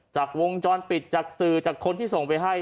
จากวงจรปิดจากสื่อจากคนที่ส่งไปให้